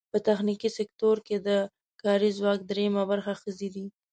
په تخنیکي سکټور کې د کاري ځواک درېیمه برخه ښځې دي.